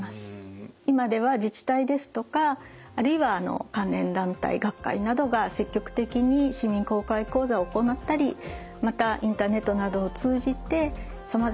今では自治体ですとかあるいは関連団体学会などが積極的に市民公開講座を行ったりまたインターネットなどを通じてさまざまな取り組みがされています。